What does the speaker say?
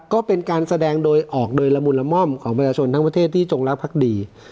ก็เป็นการแสดงโดยออกโดยละมุนละม่อมของประชาชนทั้งประเทศที่จงรักภักดี